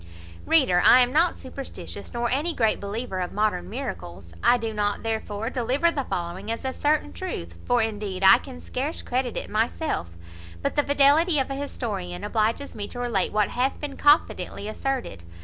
Reader, I am not superstitious, nor any great believer of modern miracles. I do not, therefore, deliver the following as a certain truth; for, indeed, I can scarce credit it myself: but the fidelity of an historian obliges me to relate what hath been confidently asserted.